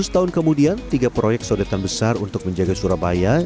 seratus tahun kemudian tiga proyek soretan besar untuk menjaga surabaya